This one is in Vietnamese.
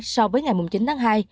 so với ngày chín tháng hai